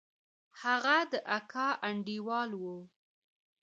هغه د اکا انډيوال و.